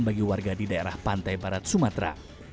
bagi warga di daerah pantai barat sumatera